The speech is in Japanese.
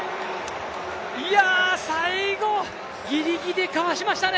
いや、最後ギリギリでかわしましたね！